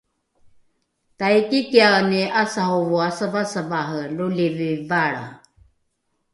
taikikiaeni ’asarovo asavasavare lolivi valra